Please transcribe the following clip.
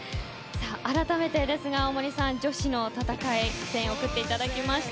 改めてですが大森さん女子の戦い声援を送っていただきました。